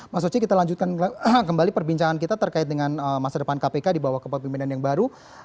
mas oce kita lanjutkan kembali perbincangan kita terkait dengan masa depan kpk di bawah kepemimpinan yang baru